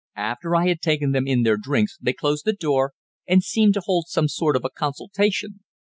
"After I had taken them in their drinks they closed the door, and seemed to hold some sort of a consultation.